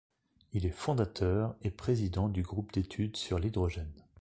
Il est fondateur et président du groupe d’études sur l’hydrogène.